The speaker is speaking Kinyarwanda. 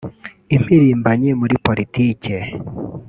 impirimbanyi muri politike